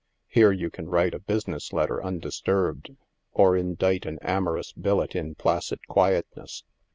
Here you can write a business letter undisturbed, or indite an amorous billet in placid quietness.